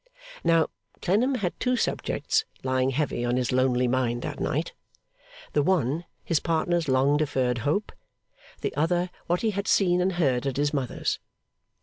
Now, Clennam had two subjects lying heavy on his lonely mind that night; the one, his partner's long deferred hope; the other, what he had seen and heard at his mother's.